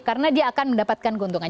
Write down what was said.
karena dia akan mendapatkan keuntungan